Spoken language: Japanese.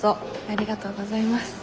ありがとうございます。